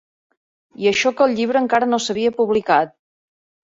I això que el llibre encara no s'havia publicat.